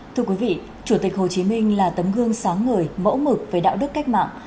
thưa quý vị chủ tịch hồ chí minh là tấm gương sáng ngời mẫu mực về đạo đức cách mạng